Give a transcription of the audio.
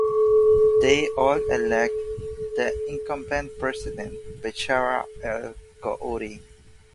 They all elected the incumbent president Bechara El Khoury.